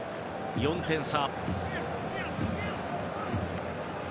４点差。